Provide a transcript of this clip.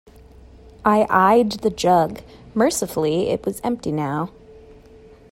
I eyed the jug. Mercifully, it was empty now.